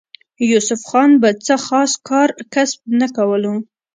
يوسف خان به څۀ خاص کار کسب نۀ کولو